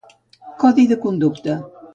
Codi de conducta.